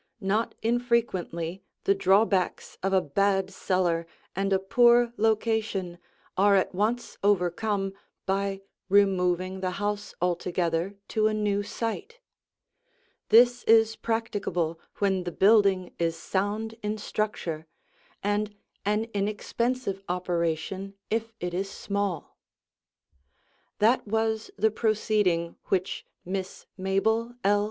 Not infrequently the drawbacks of a bad cellar and a poor location are at once overcome by removing the house altogether to a new site. This is practicable when the building is sound in structure and an inexpensive operation if it is small. [Illustration: AN OLD CAPE COD HOUSE] That was the proceeding which Miss Mabel L.